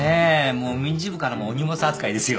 もう民事部からもお荷物扱いですよ。